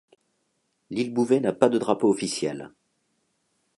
L'île Bouvet n'a pas de drapeau officiel.